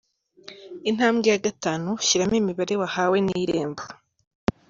Intambwe ya gatanu, shyiramo imibare wahawe na irembo.